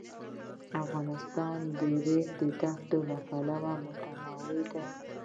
افغانستان د د ریګ دښتې له پلوه متنوع دی.